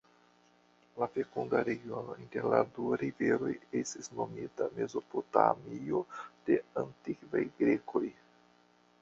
La fekunda regiono inter la du riveroj estis nomita Mezopotamio de antikvaj Grekoj.